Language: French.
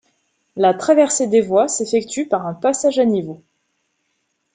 La traversée des voies s'effectue par un passage à niveau.